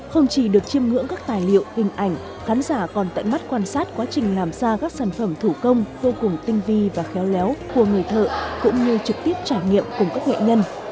không chỉ được chiêm ngưỡng các tài liệu hình ảnh khán giả còn tận mắt quan sát quá trình làm ra các sản phẩm thủ công vô cùng tinh vi và khéo léo của người thợ cũng như trực tiếp trải nghiệm cùng các nghệ nhân